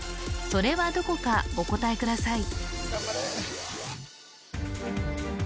それはどこかお答えください